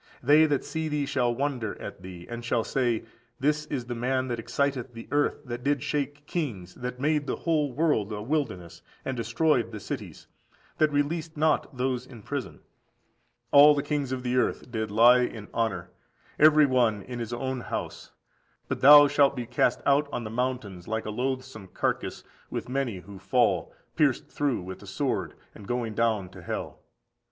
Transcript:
They that see thee shall wonder at thee, and shall say, This is the man that excited the earth, that did shake kings, that made the whole world a wilderness, and destroyed the cities, that released not those in prison.14411441 The text gives ἐπαγωγῇ. Combefisius prefers ἀπαγωγῇ = trial. All the kings of the earth did lie in honour, every one in his own house; but thou shalt be cast out on the mountains like a loathsome carcase, with many who fall, pierced through with the sword, and going down to hell.